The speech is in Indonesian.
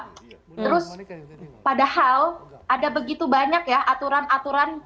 terus padahal ada begitu banyak ya aturan aturan